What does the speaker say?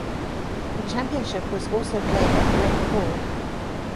The Championship also was played at Rec Hall.